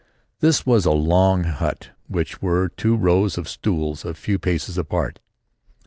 This was a long hut in which were two rows of stools a few paces apart.